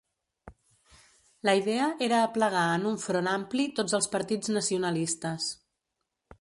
La idea era aplegar en un front ampli tots els partits nacionalistes.